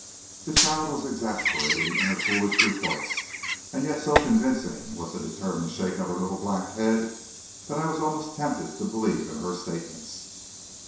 The child was exasperating in her foolish retorts and yet so convincing was the determined shake of her little black head that I was almost tempted to believe in her statements.